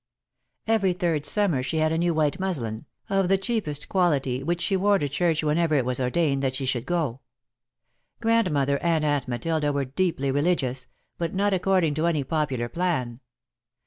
Every third Summer she had a new white muslin, of the cheapest quality, which she wore to church whenever it was ordained that she should go. Grandmother and Aunt Matilda were deeply religious, but not according to any popular plan.